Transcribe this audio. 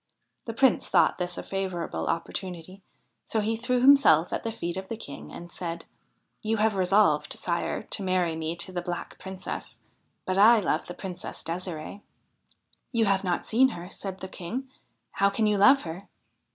The Prince thought this a favourable opportunity, so he threw himself at the feet of the King and said :' You have resolved, sire, to marry me to the Black Princess, but I love the Princess Ddsiree.' ' You have not seen her,' said the King. ' How can you love her?'